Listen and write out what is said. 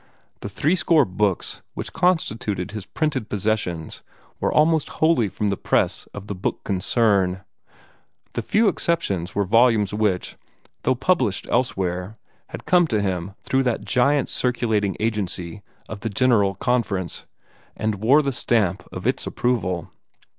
The threescore books which constituted his printed possessions were almost wholly from the press of the Book Concern; the few exceptions were volumes which, though published elsewhere, had come to him through that giant circulating agency of the General Conference, and wore the stamp of its approval.